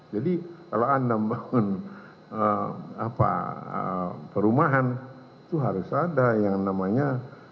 jadi kalau anda membangun perumahan itu harus ada yang namanya